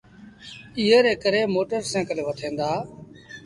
ايئي ري ڪري موٽر سآئيٚڪل وٺيٚن دآ۔